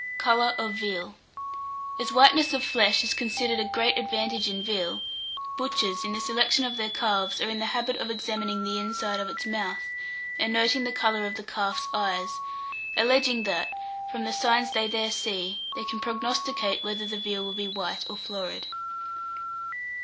COLOUR OF VEAL. As whiteness of flesh is considered a great advantage in veal, butchers, in the selection of their calves, are in the habit of examining the inside of its mouth, and noting the colour of the calf's eyes; alleging that, from the signs they there see, they can prognosticate whether the veal will be white or florid.